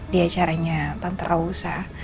di acaranya tante rausa